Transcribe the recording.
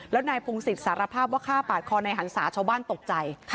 แล้วนายพงศิษย์สารภาพว่าฆ่าปาดคอในหันศาชาวบ้านตกใจ